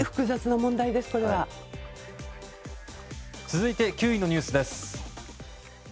続いて９位のニュースです。